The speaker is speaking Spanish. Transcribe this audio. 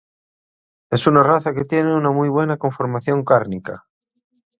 Es una raza que tiene una muy buena conformación cárnica.